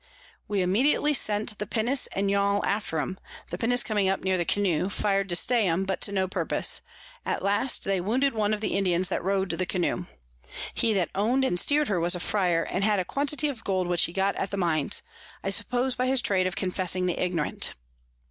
We immediately sent the Pinnace and Yall after 'em; the Pinnace coming up near the Canoe, fir'd to stay 'em, but to no purpose; at last they wounded one of the Indians that row'd in the Canoe. He that own'd and steer'd her was a Fryar, and had a Quantity of Gold which he got at the Mines, I suppose by his Trade of confessing the Ignorant.